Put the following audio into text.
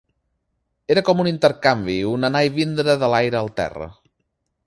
Era com un intercanvi, un anar i vindre de l’aire al terra.